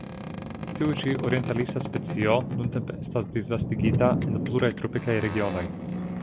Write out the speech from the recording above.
Tiu ĉi orientalisa specio nuntempe estas disvastigita en pluraj tropikaj regionoj.